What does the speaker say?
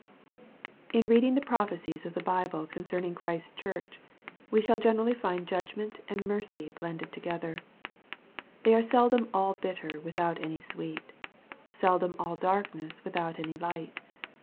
IN reading the prophecies of the Bible concerning Christ's Church, we shall generally find judgment and mercy blended together. They are seldom all bitter without any sweet seldom all darkness without any light.